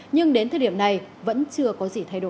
nhưng đến thời điểm này vẫn chưa có gì thay đổi